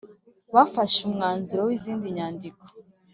Bafashe umwanzuro w’izindi nyandiko